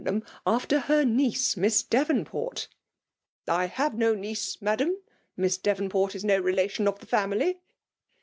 ham after her niece Miss Devonport !—' I have no niece. Madam ; Miss Devonpdrt is no relation of the family.'